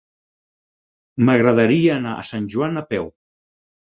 M'agradaria anar a Sant Joan a peu.